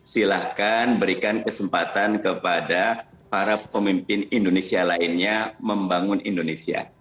silahkan berikan kesempatan kepada para pemimpin indonesia lainnya membangun indonesia